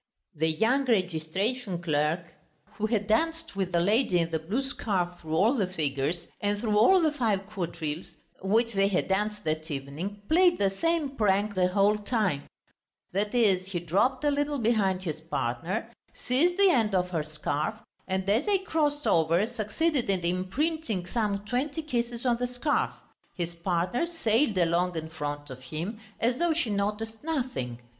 The young registration clerk, who had danced with the lady in the blue scarf through all the figures and through all the five quadrilles which they had danced that evening, played the same prank the whole time: that is, he dropped a little behind his partner, seized the end of her scarf, and as they crossed over succeeded in imprinting some twenty kisses on the scarf. His partner sailed along in front of him, as though she noticed nothing.